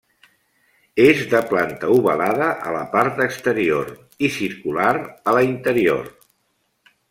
És de planta ovalada a la part exterior i circular a la interior.